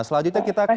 selanjutnya kita ke